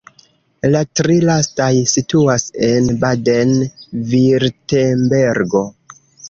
La tri lastaj situas en Baden-Virtembergo.